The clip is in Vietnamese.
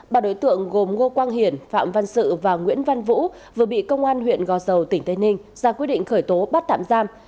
bà đối tượng gồm ngô quang hiển phạm văn sự và nguyễn văn vũ vừa bị công an huyện gò dầu tỉnh tây ninh ra quyết định khởi tố bắt tạm giam